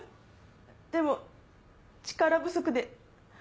でも力不足で。